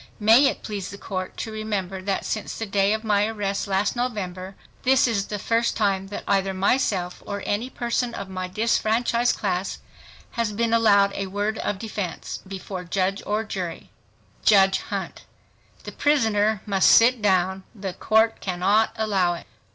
May it please the Court to remember that since the day of my arrest last November this is the first time that either myself or any person of my disfranchised class has been allowed a word of defense before judge or jury JUDGE HUNT—The prisoner must sit down, the Court cannot allow it.